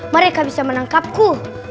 mereka bisa menangkapku